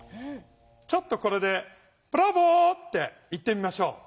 ちょっとこれで「ブラボー」って言ってみましょう。